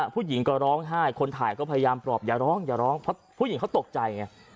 ผู้หญิงก็ร้องไห้คนถ่ายก็พยายามปลอบอย่าร้องอย่าร้องเพราะผู้หญิงเขาตกใจไง